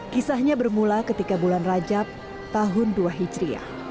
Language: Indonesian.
kisahnya bermula ketika bulan rajab tahun dua hijriah